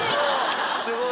すごい！